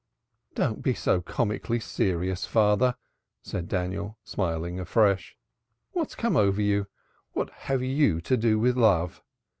"Don't be so comically serious, father," said Daniel, smiling afresh. "What's come over you? What have you to do with love?